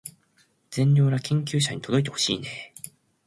善良な研究者に届いてほしいねー